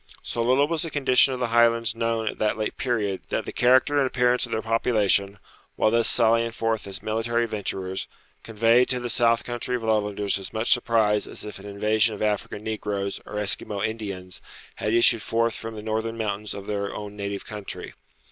So little was the condition of the Highlands known at that late period that the character and appearance of their population, while thus sallying forth as military adventurers, conveyed to the South Country Lowlanders as much surprise as if an invasion of African Negroes or Esquimaux Indians had issued forth from the northern mountains of their own native country.